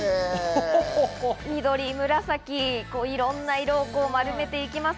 緑、紫、いろんな色を丸めていきます。